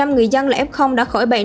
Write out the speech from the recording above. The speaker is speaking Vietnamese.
một trăm linh người dân là f đã khỏi bệnh